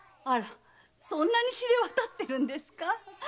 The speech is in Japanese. あらそんなに知れ渡ってるんですか？